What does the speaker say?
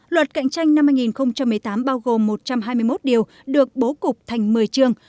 luật cạnh tranh năm hai nghìn một mươi tám bao gồm một trăm hai mươi một điều được bố cục thành một mươi trường